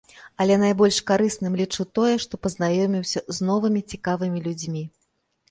Але найбольш карысным лічу тое, што пазнаёміўся з новымі цікавымі людзьмі.